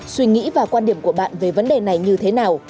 suy nghĩ và quan điểm của bạn về vấn đề này như thế nào